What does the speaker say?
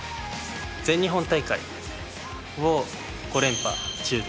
全日本大会を５連覇中です。